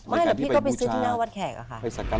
ไม่หรอกพี่ก็ไปซื้อที่หน้าวัดแขกอะค่ะ